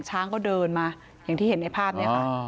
ช้างก็เดินมาอย่างที่เห็นในภาพนี้ค่ะ